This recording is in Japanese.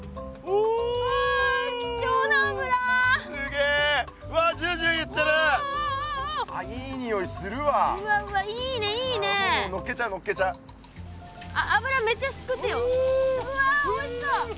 うわおいしそう！